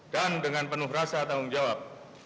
dan dengan penuh rasa tanggung jawab